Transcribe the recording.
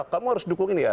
kamu harus dukung ini ya